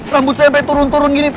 rambut sampai turun turun gini